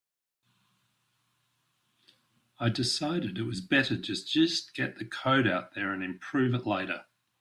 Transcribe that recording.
I decided it was better to just get the code out there and improve it later.